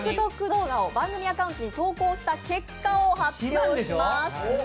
動画を番組アカウントに投稿した結果を発表します。